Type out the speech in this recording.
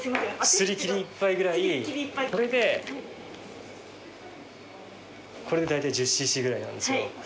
すり切り１杯ぐらいこれでこれで大体１０ｃｃぐらいなんですよ